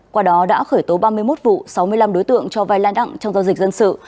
qua đó đã khởi tố ba mươi một vụ sáu mươi năm đối tượng cho vai lan đặng trong giao dịch dân sự